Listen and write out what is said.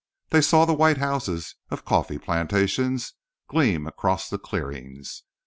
They saw the white houses of coffee plantations gleam across the clearings.